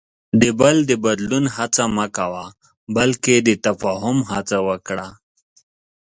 د بل د بدلون هڅه مه کوه، بلکې د تفاهم هڅه وکړه.